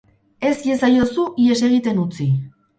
Ez iezaiozu ihes egiten utzi!